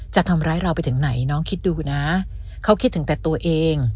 จะทำร้ายเราไปถึงไหนน้องคิดดูนะเขาคิดถึงแต่ตัวเอง